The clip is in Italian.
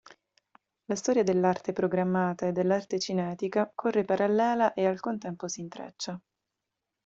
La storia dell'arte programmata e dell'arte cinetica corre parallela e al contempo si intreccia.